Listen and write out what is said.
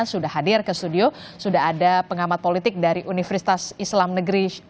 sudah hadir ke studio sudah ada pengamat politik dari universitas islam negeri